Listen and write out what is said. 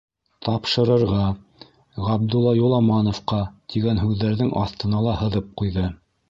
«Тапшырырға: Ғабдулла Юламановҡа» тигән һүҙҙәрҙең аҫтына ла һыҙып ҡуйҙы.